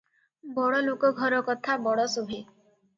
ବଡ଼ଲୋକ ଘରକଥା ବଡ଼ ଶୁଭେ ।